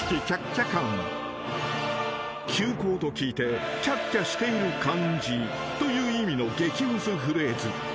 ［休校と聞いてキャッキャしている感じという意味の激ムズフレーズ］